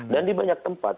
dan di banyak tempat